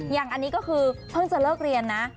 อย่างอันนี้ก็คือเพิ่งจะเลิกเรียนนะ